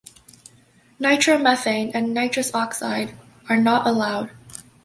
Nitromethane and nitrous oxide are not allowed.